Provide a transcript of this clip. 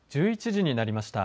１１時になりました。